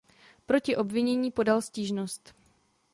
Proti obvinění podal stížnost.